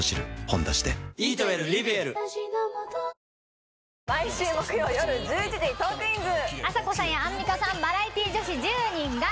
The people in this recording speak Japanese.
「ほんだし」で毎週木曜夜１１時『トークィーンズ』あさこさんやアンミカさんバラエティー女子１０人が。